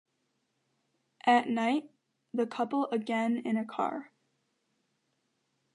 At night, the couple again in a car.